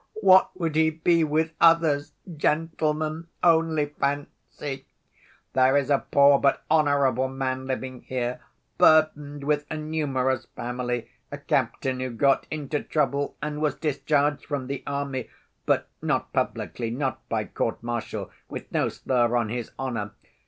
What would he be with others? Gentlemen, only fancy; there's a poor but honorable man living here, burdened with a numerous family, a captain who got into trouble and was discharged from the army, but not publicly, not by court‐martial, with no slur on his honor.